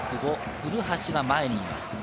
古橋が前にいます。